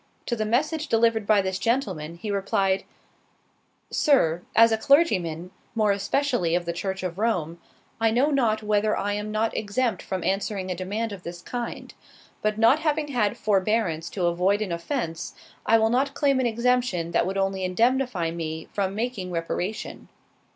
To the message delivered by this gentleman, he replied, "Sir, as a clergyman, more especially of the church of Rome, I know not whether I am not exempt from answering a demand of this kind; but not having had forbearance to avoid an offence, I will not claim an exemption that would only indemnify me from making reparation."